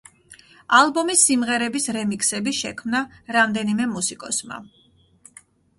ალბომის სიმღერების რემიქსები შექმნა რამდენიმე მუსიკოსმა.